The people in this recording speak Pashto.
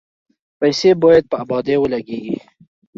پیسې باید په ابادۍ ولګیږي.